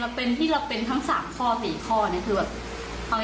แล้วก็เป็นที่เราเป็นทั้ง๓๔ข้อคือแบบ